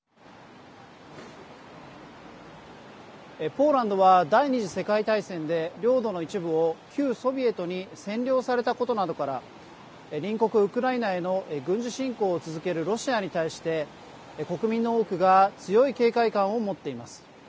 ポーランドは第２次世界大戦で領土の一部を旧ソビエトに占領されたことなどから隣国ウクライナへの軍事侵攻を続けるロシアに対して国民の多くが強い警戒感を持っています。